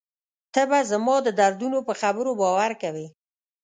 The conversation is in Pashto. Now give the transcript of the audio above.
ته به زما د دردونو په خبرو باور کوې.